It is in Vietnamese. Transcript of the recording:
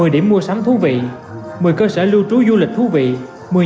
một mươi điểm mua sắm thú vị một mươi cơ sở lưu trú du lịch thú vị